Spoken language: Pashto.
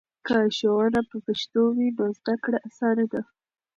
که ښوونه په پښتو وي نو زده کړه اسانه ده.